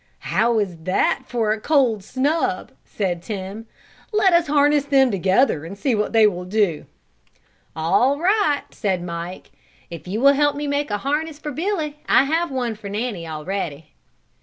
"How is that for a cold snub!" said Tim. "Let us harness them together and see what they will do." "All right," said Mike, "if you will help me make a harness for Billy. I have one for Nanny already."